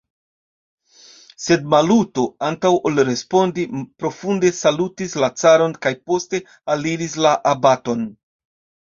Sed Maluto, antaŭ ol respondi, profunde salutis la caron kaj poste aliris la abaton.